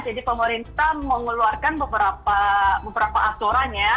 jadi pemerintah mengeluarkan beberapa aturan ya